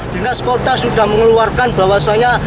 dinas kota sudah mengeluarkan bahwasannya